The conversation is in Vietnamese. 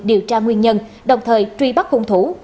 điều tra nguyên nhân đồng thời truy bắt hung thủ